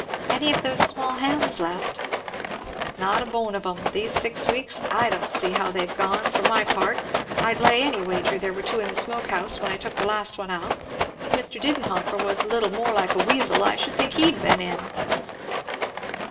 "Any of those small hams left?" "Not a bone of 'em these six weeks, I don't see how they've gone, for my part. I'd lay any wager there were two in the smoke house when I took the last one out. If Mr. Didenhover was a little more like a weasel I should think he'd been in."